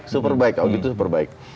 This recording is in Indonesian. super baik augie tuh super baik